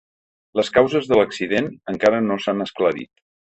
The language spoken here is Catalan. Les causes de l’accident encara no s’han esclarit.